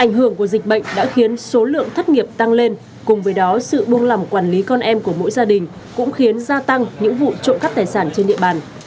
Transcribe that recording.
ảnh hưởng của dịch bệnh đã khiến số lượng thất nghiệp tăng lên cùng với đó sự buông lòng quản lý con em của mỗi gia đình cũng khiến gia tăng những vụ trộm cắp tài sản trên địa bàn